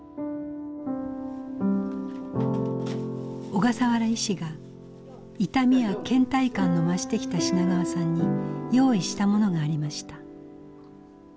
小笠原医師が痛みやけん怠感の増してきた品川さんに用意したものがありました。